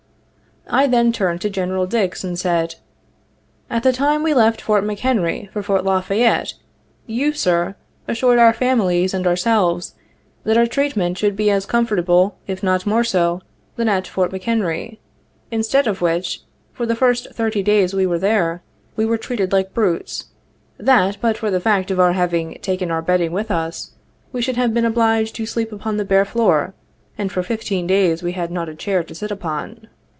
83 " I then turned to General Dix and said: ' At the time we left Fort McHenry for Fort La Fayette, you, Sir, assured our families and ourselves that our treatment there should be as comfortable, if not more so, than at Fort McHenry ; instead of which, for the first thirty days we were there, we were treated like brutes — that, but for the fact of our having taken our bedding with us, we should have been obliged to sleep upon the bare floor, and for fifteen days we had not a chair to sit upon.'